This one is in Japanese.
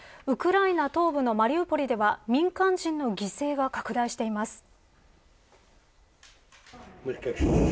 ウクライナ東部のマリウポリでは民間人の犠牲が拡大しています。